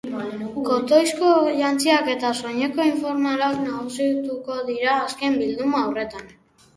Kotoizko jantziak eta soineko informalak nagusituko dira azken bilduma horretan.